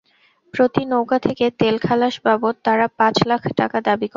প্রতি নৌকা থেকে তেল খালাস বাবদ তাঁরা পাঁচ লাখ টাকা দাবি করেন।